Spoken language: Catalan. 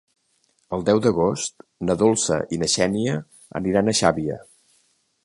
El deu d'agost na Dolça i na Xènia aniran a Xàbia.